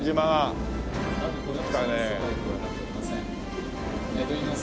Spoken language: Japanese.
はい。